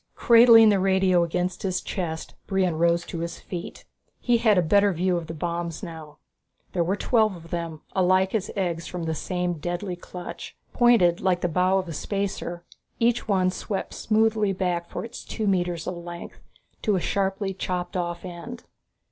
Cradling the radio against his chest, Brion rose to his feet. He had a better view of the bombs now. There were twelve of them, alike as eggs from the same deadly clutch. Pointed like the bow of a spacer, each one swept smoothly back for its two metres of length, to a sharply chopped off end.